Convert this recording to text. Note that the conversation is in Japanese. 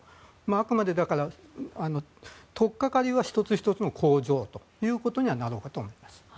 あくまで取っかかりは１つ１つの工場ということにはなろうかと思います。